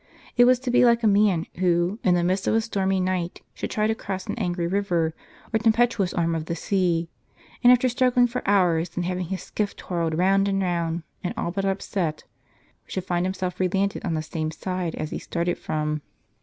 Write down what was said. It was to be like a man who, in the midst of a stormy night, should try to cross an angry river, or tempestuous arm of the sea, and, after struggling for hours, and having his skiff twirled round and round and all but upset, should find him self relanded on the same side as he started from.